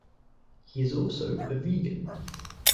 He is also a vegan.